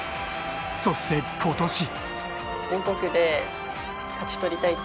そして、今年。